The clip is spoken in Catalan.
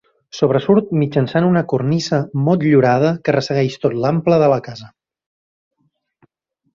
Sobresurt mitjançant una cornisa motllurada que ressegueix tot l'ample de la casa.